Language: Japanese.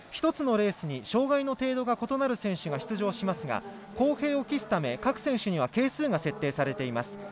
１つのレースに障がいの程度の異なる選手が出場しますが、公平を期すため各選手に係数が設定されています。